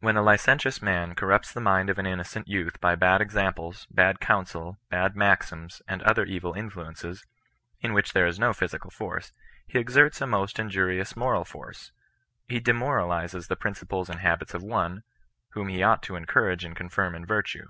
When a licentious man cor rupts the mind of an innocent youth by bad examples, bad counsel, bad maxims, and other evil influences, in which there is no physical force, he exerts a most injvr Tioua moral force. He demoralizes the principles and habits of one, whom he ought to encourage and confirm in virtue.